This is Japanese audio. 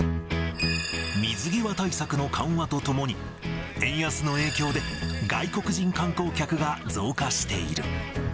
水際対策の緩和とともに、円安の影響で外国人観光客が増加している。